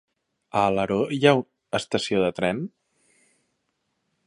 A Alaró hi ha estació de tren?